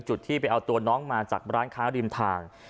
จุดที่ไปเอาตัวน้องมาจากร้านค้าริมทาง